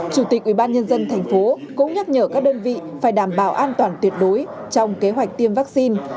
chủ tịch ubnd tp cũng nhắc nhở các đơn vị phải đảm bảo an toàn tuyệt đối trong kế hoạch tiêm vaccine